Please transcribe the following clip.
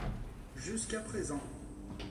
Jusqu'à présent.